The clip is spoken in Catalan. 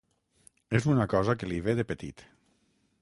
És una cosa que li ve de petit.